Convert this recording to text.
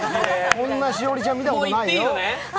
こんな栞里ちゃん、見たことないよね。